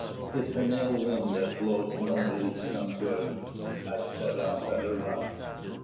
It's an ill wind that blows nobody some good. I set off at a run.